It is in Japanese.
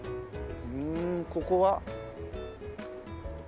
ふんここは？